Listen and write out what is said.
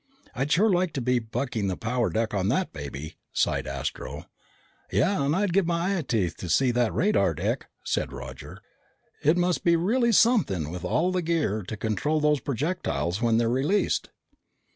"I'd sure like to be bucking the power deck on that baby," sighed Astro. "Yeah, and I'd give my eyeteeth to see that radar deck," said Roger. "It must be really something with all the gear to control those projectiles when they're released."